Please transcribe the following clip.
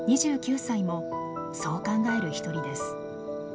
２９歳もそう考える一人です。